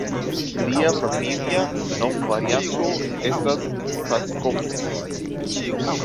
Lia familia nomvarianto estis "Pacskovszki".